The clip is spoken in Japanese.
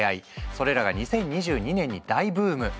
それらが２０２２年に大ブーム！